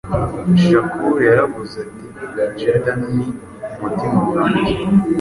Shakur yaravuze ati Jada ni umutima wanjye,